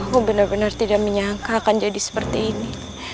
aku benar benar tidak menyangka akan jadi seperti ini